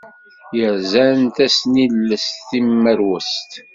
Yerzan tasnilest timerwest.